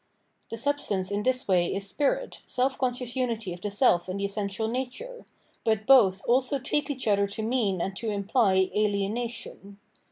The substance in this way is spirit, seH conscious unity of the self and the essential nature ; but both also take each other to mean and to imply ahenation.